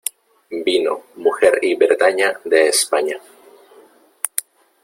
vino , mujer y Bretaña , de España .